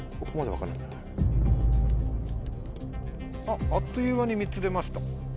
あっあっという間に３つ出ました。